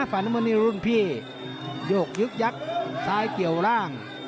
ฝ่านมือในรุ่งพี่โยกยึกยักษ์ซ้ายเกี่ยวร่าง